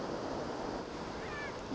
biar kamu bisa ngelupain dia